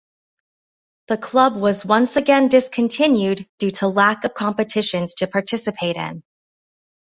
The club was once again discontinued due to lack of competitions to participate in.